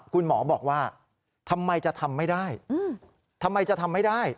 คุณหมอบอกว่าทำไมจะทำไม่ได้